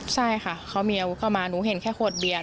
ใช่ค่ะเขามีอาวุธเข้ามาหนูเห็นแค่ขวดเบียน